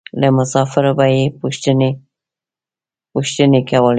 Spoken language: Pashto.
له مسافرو به یې پوښتنې کولې.